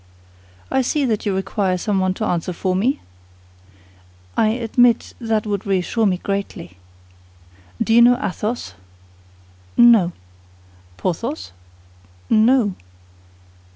"I see that you require someone to answer for me?" "I admit that would reassure me greatly." "Do you know Athos?" "No." "Porthos?" "No."